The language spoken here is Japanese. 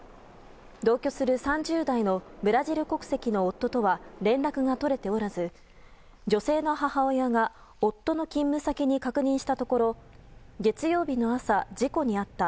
同居する３０代のブラジル国籍の夫とは連絡が取れておらず女性の母親が夫の勤務先に確認したところ月曜日の朝、事故に遭った。